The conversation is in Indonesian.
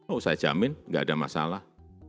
oh saya jamin nggak ada masalah